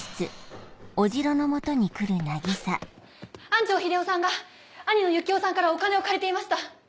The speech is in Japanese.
安生日出夫さんが兄の夕紀夫さんからお金を借りていました。